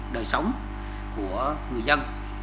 đời sống của người dân